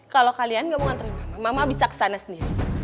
kalau kalian gak mau anterin mama mama bisa ke sana sendiri